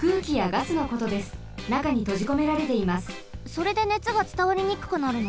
それで熱がつたわりにくくなるの？